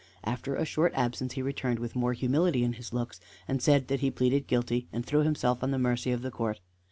After a short absence he returned with more humility in his looks, and said that he pleaded guilty, and threw himself on the mercy of the court.